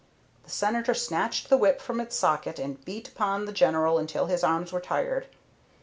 The Senator snatched the whip from its socket and beat upon the General until his arms were tired.